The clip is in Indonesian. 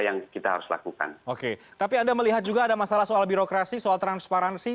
yang kita harus lakukan oke tapi anda melihat juga ada masalah soal birokrasi soal transparansi